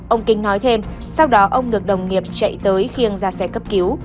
ông kính nói thêm sau đó ông được đồng nghiệp chạy tới khiêng ra xe cấp cứu